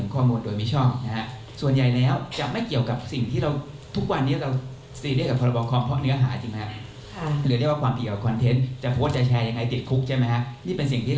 ก็ใช้กับว่าในประเด็นเช่นอะไรเขาแฮ็กเฟสเทอร์